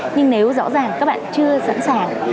nhưng nếu rõ ràng các bạn chưa sẵn sàng